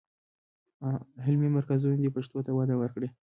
علمي مرکزونه دې پښتو ته وده ورکړي.